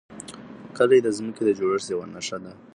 کلي د ځمکې د جوړښت یوه نښه ده.